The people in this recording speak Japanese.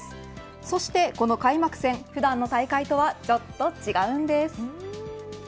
そしてこの開幕戦、普段の大会とはちょっと違うんです。